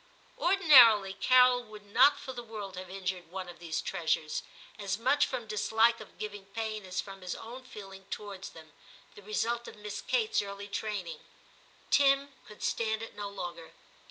Ordinarily, Carol would not for the world have injured one of these treasures, as much from dislike of giving pain as from his own feeling towards them, the result of Miss 228 TIM CHAP. Kate*s early training. Tim could stand it no longer.